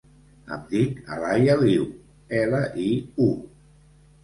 Em dic Alaia Liu: ela, i, u.